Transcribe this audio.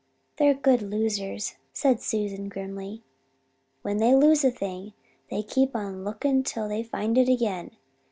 "'They're good losers,' said Susan grimly. 'When they lose a thing they keep on looking till they find it again!